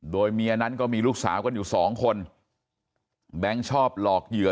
โดยเมียนั้นก็มีลูกสาวกันอยู่สองคนแบงค์ชอบหลอกเหยื่อ